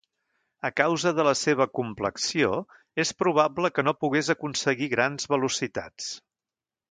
A causa de la seva complexió és probable que no pogués aconseguir grans velocitats.